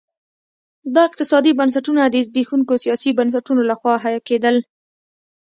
دا اقتصادي بنسټونه د زبېښونکو سیاسي بنسټونو لخوا حیه کېدل.